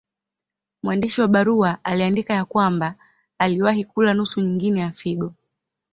Mwandishi wa barua aliandika ya kwamba aliwahi kula nusu nyingine ya figo.